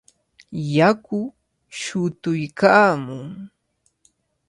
Yaku shutuykaamun.